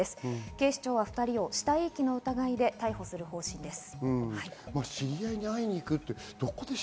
警視庁は２人を死体遺棄の疑いで逮捕する方針です。